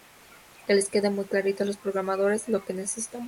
Que les quede muy clarito a las programadoras lo que necesitamos